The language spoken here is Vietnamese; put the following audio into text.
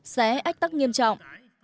sẽ ách tắc nghiêm trọng